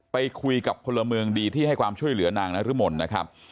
ไปคุยกับพลเมืองดีที่ให้ความช่วยเหลือนางนรมนนะครับ